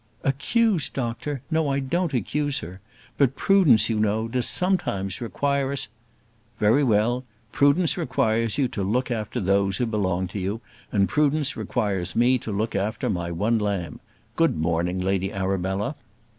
"Accused, doctor! No, I don't accuse her. But prudence, you know, does sometimes require us " "Very well; prudence requires you to look after those who belong to you; and prudence requires me to look after my one lamb. Good morning, Lady Arabella."